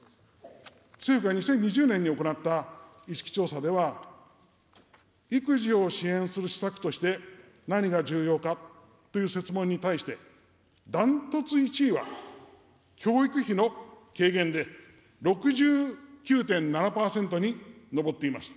政府が２０２０年に行った意識調査では、育児を支援する施策として何が重要かという設問に対して、断トツ１位は、教育費の軽減で６９．７％に上っています。